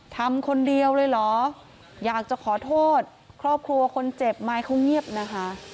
ทำคนเดียวเลยเหรออยากจะขอโทษครอบครัวคนเจ็บไหมเขาเงียบนะคะ